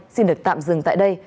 xin được tạm dừng tại đây